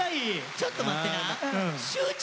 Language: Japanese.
ちょっと待ってな。